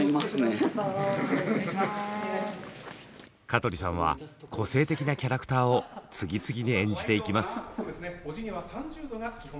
香取さんは個性的なキャラクターを次々に演じていきます。